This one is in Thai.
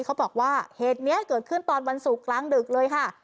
เขาบอกว่าเหตุนี้เกิดขึ้นตอนวันศุกร์กลางดึกเลยค่ะ